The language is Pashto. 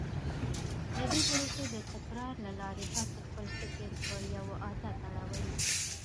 د دې پروسې د تکرار له لارې تاسې خپل فکر پر يوه عادت اړوئ.